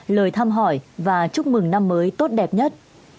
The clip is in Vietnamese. lời thăm hỏi và chúc mừng năm mới tốt đẹp nhất